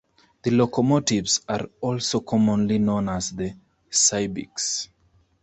The locomotives are also commonly known as the Sybics.